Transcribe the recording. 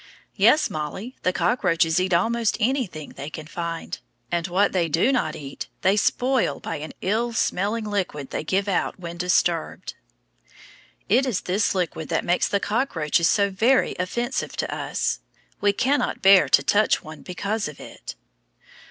Yes, Mollie, the cockroaches eat almost anything they can find, and what they do not eat they spoil by an ill smelling liquid they give out when disturbed. It is this liquid that makes the cockroaches so very offensive to us. We cannot bear to touch one because of it.